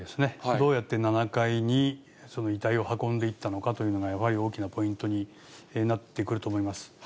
どうやって７階に遺体を運んでいったのかというのが、やはり大きなポイントになってくると思います。